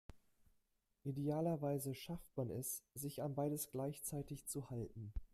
Idealerweise schafft man es, sich an beides gleichzeitig zu halten.